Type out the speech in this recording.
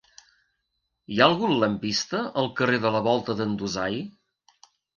Hi ha algun lampista al carrer de la Volta d'en Dusai?